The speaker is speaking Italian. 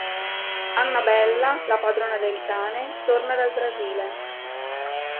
Annabella, la padrona del cane, torna dal Brasile.